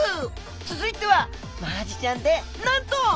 続いてはマアジちゃんでなんと！